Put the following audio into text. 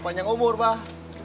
panjang umur bah